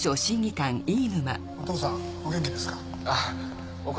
お父さんお元気ですか？